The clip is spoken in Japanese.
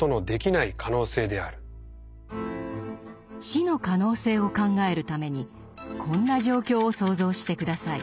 「死の可能性」を考えるためにこんな状況を想像して下さい。